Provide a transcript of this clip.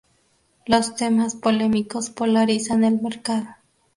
los temas polémicos polarizan el mercado